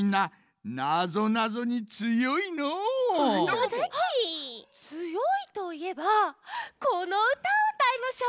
あっつよいといえばこのうたをうたいましょう！